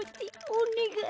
おねがい。